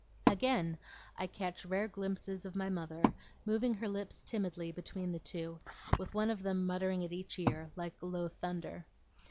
Again, I catch rare glimpses of my mother, moving her lips timidly between the two, with one of them muttering at each ear like low thunder.